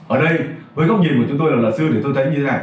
ở đây với góc nhìn của chúng tôi là lợi sư thì tôi thấy như thế này